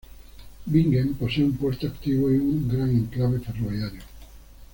Bingen posee un puerto activo y un gran enclave ferroviario.